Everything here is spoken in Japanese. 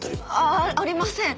あありません！